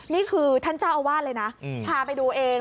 นี่คือท่านเจ้าอาวาสเลยนะพาไปดูเอง